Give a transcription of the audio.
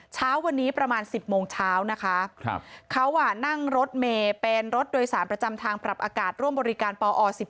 เช้าวันนี้ประมาณ๑๐โมงเช้านะคะเขานั่งรถเมย์เป็นรถโดยสารประจำทางปรับอากาศร่วมบริการปอ๑๒